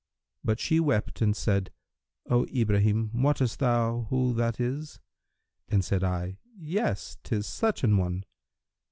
But she wept and said, 'O Ibrahim, wottest thou who that is?' and said I, 'Yes, 'tis such an one.'